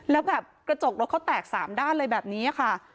แล้วแบบกระจกรถเขาแตก๓ด้านเลยแบบนี้ค่ะ